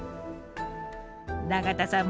永田さんも出演。